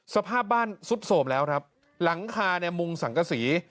สภาพบ้านสุดโสมแล้วครับหลังคาเนี่ยมุงสังกษี